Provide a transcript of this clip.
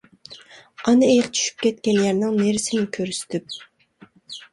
ئانا ئېيىق چۈشۈپ كەتكەن يەرنىڭ نېرىسىنى كۆرسىتىپ.